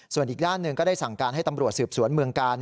ส่วนอีกด้านหนึ่งก็ได้สั่งการให้ตำรวจสืบสวนเมืองกาล